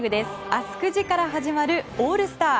明日９時から始まるオールスター。